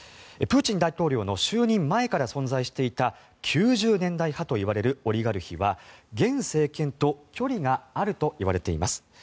プーチン大統領の就任前から存在していた９０年代派と呼ばれるオリガルヒは現政権と距離があるといわれています。